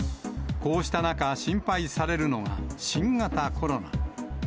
こうした中、心配されるのが、新型コロナ。